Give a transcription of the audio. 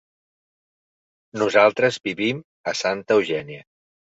Nosaltres vivim a Santa Eugènia.